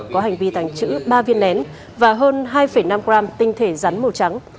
có hành vi tàng trữ ba viên nén và hơn hai năm gram tinh thể rắn màu trắng